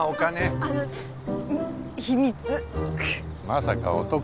まさか男？